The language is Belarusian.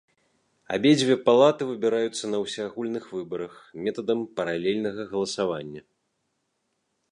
Абедзве палаты выбіраюцца на ўсеагульных выбарах, метадам паралельнага галасавання.